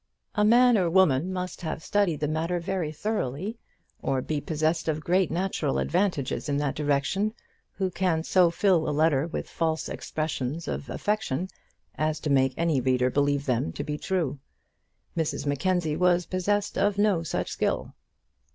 A man or woman must have studied the matter very thoroughly, or be possessed of great natural advantages in that direction, who can so fill a letter with false expressions of affection, as to make any reader believe them to be true. Mrs Mackenzie was possessed of no such skill.